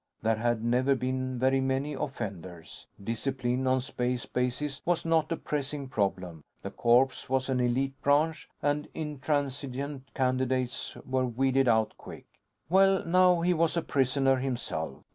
There had never been very many offenders. Discipline on space bases was not a pressing problem: the corps was an elite branch and intransigent candidates were weeded out quick. Well, now he was a prisoner, himself.